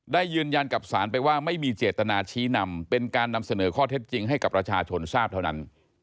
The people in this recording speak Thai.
ได้ยืนยันกับศาลไปว่าไม่มีเจตนาชี้นำเป็นการนำเสนอข้อเท็จจริงให้กับประชาชนทราบเท่านั้น